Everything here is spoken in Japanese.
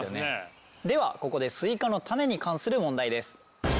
ではここでスイカの種に関する問題です。